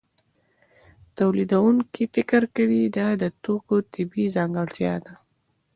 تولیدونکی فکر کوي دا د توکو طبیعي ځانګړتیا ده